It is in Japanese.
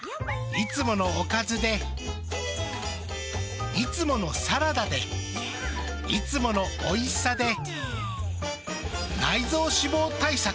いつものおかずでいつものサラダでいつものおいしさで内臓脂肪対策。